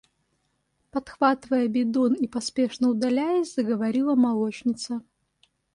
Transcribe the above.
– подхватывая бидон и поспешно удаляясь, заговорила молочница.